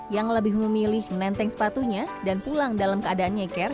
yang lebih memilih menenteng sepatunya dan pulang dalam keadaannya